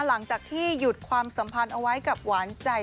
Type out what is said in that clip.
หลังจากที่หยุดความสัมพันธ์เอาไว้กับหวานใจ